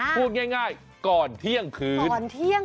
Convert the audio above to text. พูดง่ายก่อนเที่ยงคืน